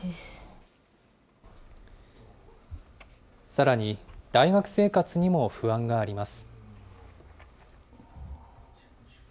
さらに、大学生活にも不安があります。